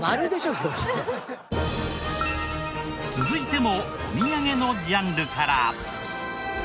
続いてもお土産のジャンルから。